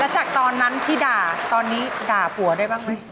จากตอนนั้นที่ด่าตอนนี้ด่าผัวได้บ้างไหม